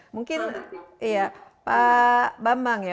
mungkin pak bambang ya